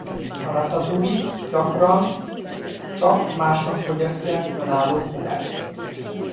A ratatouille-t gyakran csak másnap fogyasztják önálló fogásként.